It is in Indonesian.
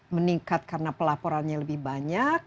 meningkat karena pelaporannya lebih banyak